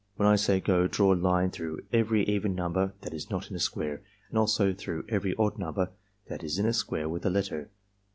When I say 'go' draw a line through every even number that is not in a square, and also through every odd number that is in a square with a letter.